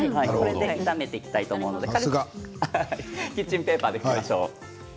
炒めていきたいと思うので軽くキッチンペーパーで拭きましょう。